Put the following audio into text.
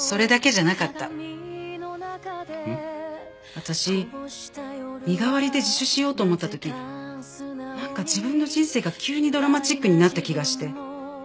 私身代わりで自首しようと思った時なんか自分の人生が急にドラマチックになった気がして。